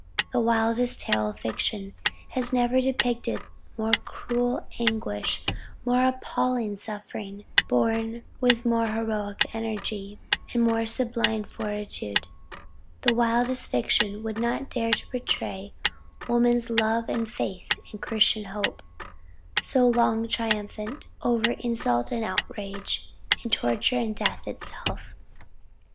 The wildest tale of fiction has never depicted more cruel anguish, more appalling suffering borne with more heroic energy, and more sublime fortitude the wildest fiction would not dare to portray woman's love and faith and Christian hope, so long triumphant over insult and outrage, and torture and death itself.